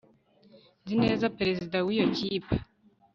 Nzi neza perezida wiyo kipe